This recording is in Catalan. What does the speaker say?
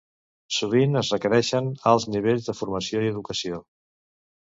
Sovint es requereixen alts nivells de formació i educació.